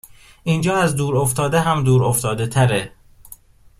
اینجااز دور افتاده هم دور افتاده تره